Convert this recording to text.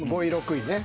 ５位６位ね。